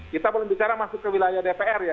kita belum bicara masuk ke wilayah dpr ya